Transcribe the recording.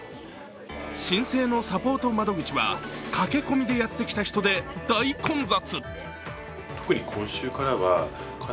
申請のサポート窓口は駆け込みでやってきた人で大混雑。